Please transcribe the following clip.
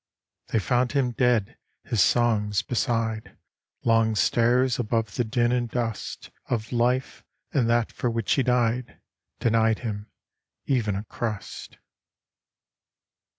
They found him dead his songs beside, Long stairs above the din and dust Of life: and that for which he died Denied him even a crust.